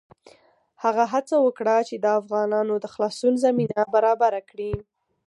هغه هڅه وکړه چې د افغانانو د خلاصون زمینه برابره کړي.